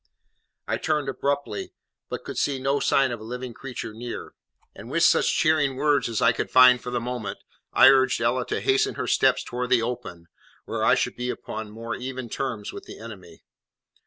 I turned abruptly, but could see no sign of a living creature near; and, with such cheering words as I could find for the moment, I urged Ella to hasten her steps towards the open, where I should be upon more even terms with the enemy.